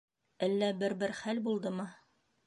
Әллә бер-бер хәл булдымы?